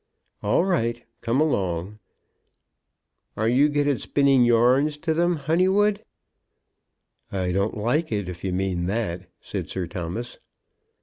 "All right. Come along. Are you good at spinning yarns to them, Honeywood?" "I don't like it, if you mean that," said Sir Thomas.